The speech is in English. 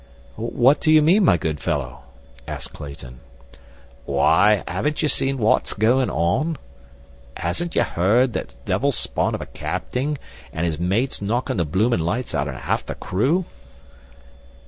"What do you mean, my good fellow?" asked Clayton. "Wy, hasn't ye seen wats goin' on? Hasn't ye 'eard that devil's spawn of a capting an' is mates knockin' the bloomin' lights outen 'arf the crew?